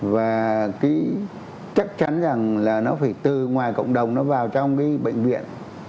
và chắc chắn rằng là nó phải từ ngoài cộng đồng nó vào trong cái bệnh viện